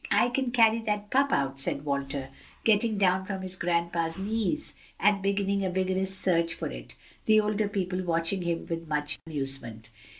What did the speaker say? I can carry that pup out," said Walter, getting down from his grandpa's knee and beginning a vigorous search for it, the older people watching him with much amusement.